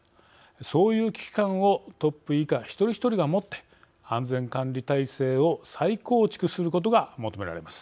そういう危機感をトップ以下一人一人が持って安全管理体制を再構築することが求められます。